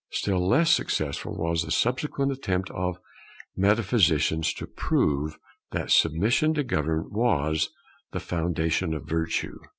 Still less successful was the subsequent attempt of metaphysicians to prove that submission to government was the foundation of virtue.